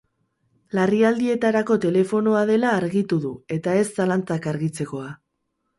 Larrialdietarako telefonoa dela argitu du eta ez zalantzak argitzekoa.